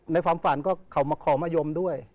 ในฝันคือขอมายมด้วย